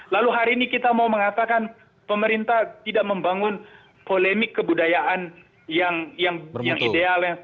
lalu hari ini kita mau mengatakan pemerintah tidak membangun polemik kebudayaan yang ideal